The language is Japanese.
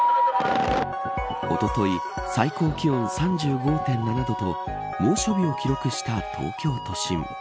おととい最高気温３５．７度と猛暑日を記録した東京都心。